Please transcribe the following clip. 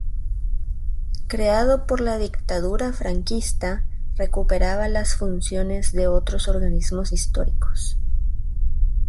Creado por la Dictadura franquista, recuperaba las funciones de otros organismos históricos.